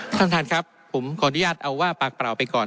ท่านท่านครับผมขออนุญาตเอาว่าปากเปล่าไปก่อน